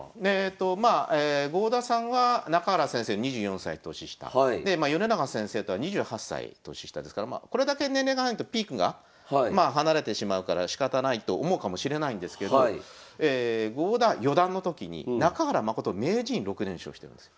まあ郷田さんは中原先生２４歳年下で米長先生とは２８歳年下ですからこれだけ年齢が離れてるとピークが離れてしまうからしかたないと思うかもしれないんですけど郷田四段の時に中原誠名人に６連勝してるんですよ。